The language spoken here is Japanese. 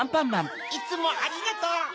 いつもありがとう。